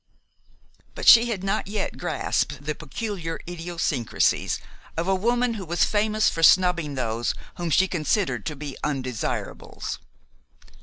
But she had not yet grasped the peculiar idiosyncrasies of a woman who was famous for snubbing those whom she considered to be "undesirables."